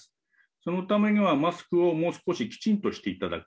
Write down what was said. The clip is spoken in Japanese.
そのためにはマスクをもう少しきちんとしていただく。